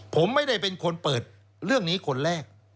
ผมไม่ได้เป็นคนเปิดเรื่องนี้คนแรก